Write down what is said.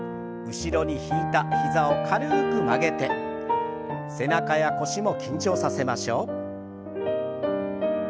後ろに引いた膝を軽く曲げて背中や腰も緊張させましょう。